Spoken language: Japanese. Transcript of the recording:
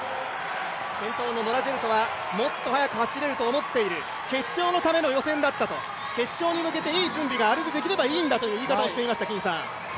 先頭のノラ・ジェルトはもっと速く走れると思っていると決勝のための予選だったと決勝に向けていい準備があれでできればいいんだと言い方をしていました。